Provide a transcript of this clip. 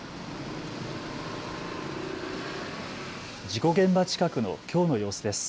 事故現場近くのきょうの様子です。